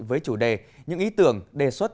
với chủ đề những ý tưởng đề xuất